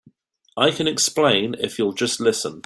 I can explain if you'll just listen.